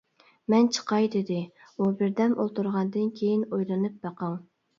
مەن چىقاي دېدى، ئۇ بىردەم ئولتۇرغاندىن كېيىن، ئويلىنىپ بېقىڭ.